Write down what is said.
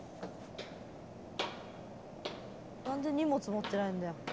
何で荷物持ってないんだよ。